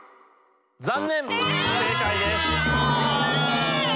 残念不正解です。